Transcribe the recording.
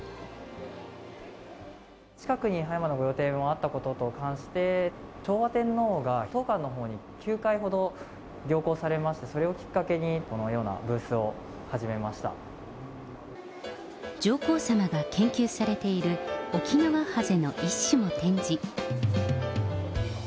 近くに葉山の御用邸もあったことと関して、昭和天皇が当館のほうに９回ほど行幸されまして、それをきっかけに、上皇さまが研究されている、オキナワハゼの一種も展示。